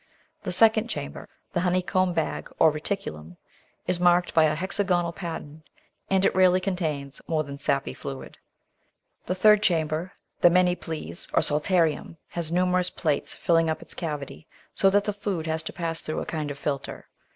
The second chamber, the honeycomb bag or reticulum, is marked by a hexagonal pattern, and it rarely contains more than sappy fluid. The third chamber, the manyplies or.psalteriimi, has nimierous plaits filling up its cavity, so that the food has to pass through a kind of filter.